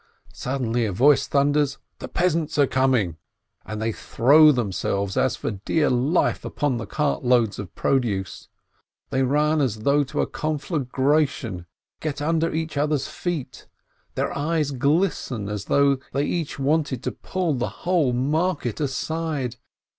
Suddenly a voice thunders, "The peasants are com ing!" and they throw themselves as for dear life upon the cart loads of produce ; they run as though to a con flagration, get under each other's feet, their eyes glisten as though they each wanted to pull the whole market aside.